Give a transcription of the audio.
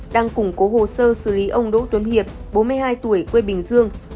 đang củng cố hồ sơ xử lý ông đỗ tuấn hiệp bốn mươi hai tuổi quê bình dương